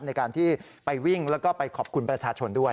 ในการที่ไปวิ่งแล้วก็ไปขอบคุณประชาชนด้วย